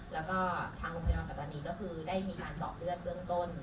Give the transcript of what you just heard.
แล้วก็ทางโรงพยาบาลปัตตานีก็คือได้มีการเจาะเลือดเบื้องต้น